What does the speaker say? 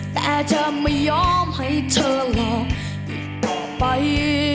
แต่จะไม่ยอมให้เธองออีกต่อไป